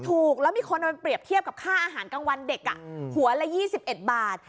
ถูกแล้วมีคนเอาไปเปรียบเทียบกับค่าอาหารกลางวันเด็กหัวละ๒๑บาท